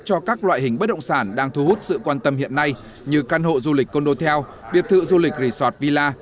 cho các loại hình bất động sản đang thu hút sự quan tâm hiện nay như căn hộ du lịch condotel biệt thự du lịch resort villa